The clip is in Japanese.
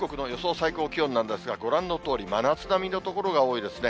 最高気温なんですが、ご覧のとおり、真夏並みの所が多いですね。